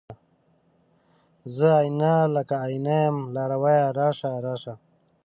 زه آئينه، لکه آئینه یم لارویه راشه، راشه